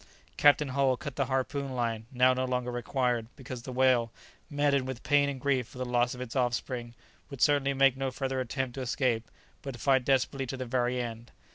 Captain Hull cut the harpoon line, now no longer required, because the whale, maddened with pain and grief for the loss of its offspring, would certainly make no further attempt to escape, but would fight desperately to the very end.